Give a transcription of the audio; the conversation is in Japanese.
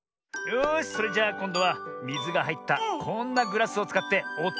よしそれじゃあこんどはみずがはいったこんなグラスをつかっておとをだしてみよう。